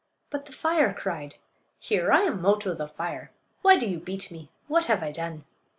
But the fire cried: "Here! I am Mo'to, the fire. Why do you beat me? What have I done?"